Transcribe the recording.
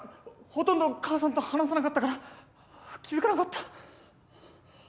ほとんど母さんと話さなかったから気づかなかった。